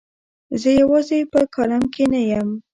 زه یوازې په کالم کې نه یم.